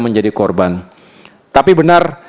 menjadi korban tapi benar